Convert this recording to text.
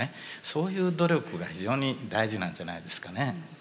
そういう努力が非常に大事なんじゃないですかね。